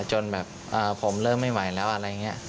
จนแบบผมเริ่มไม่ไหวแล้วอะไรอย่างนี้